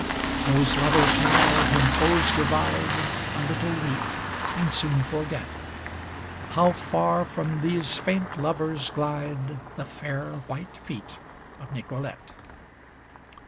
Those lovers now, whom foes divide A little weep, and soon forget. How far from these faint lovers glide The fair white feet of Nicolete.